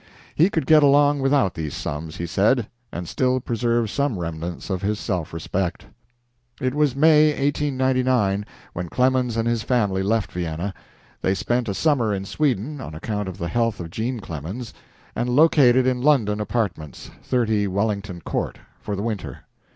He could get along without these sums, he said, and still preserve some remnants of his self respect. It was May, 1899, when Clemens and his family left Vienna. They spent a summer in Sweden on account of the health of Jean Clemens, and located in London apartments 30 Wellington Court for the winter.